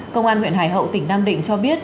công an huyện hải hậu tỉnh nam định cho biết